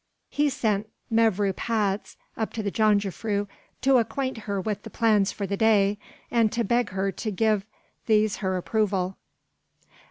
He sent Mevrouw Patz up to the jongejuffrouw to acquaint her with the plans for the day, and to beg her to give these her approval.